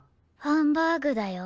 ハンバーグだよ。